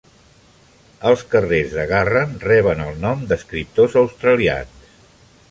Els carrers de Garran reben el nom d"escriptors australians.